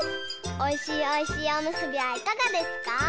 おいしいおいしいおむすびはいかがですか？